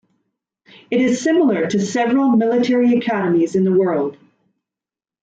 It is similar to several military academies in the world.